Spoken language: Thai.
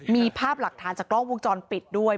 มีภาพหลักฐานจากกล้องวงจรปิดด้วย